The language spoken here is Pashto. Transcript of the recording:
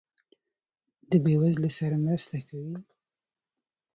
د بې وزلو سره مرسته کوئ؟